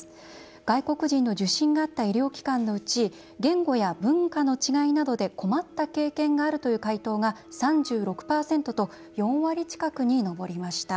外国人の受診があった医療機関のうち言語や文化の違いなどで「困った経験がある」という回答が３６％と４割近くに上りました。